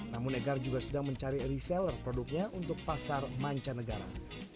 namun egar juga sedang mencari reseller produknya untuk pasar mancanegara